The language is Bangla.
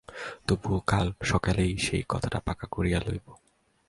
তবু কাল সকালেই সে কথাটা পাকা করিয়া লইব।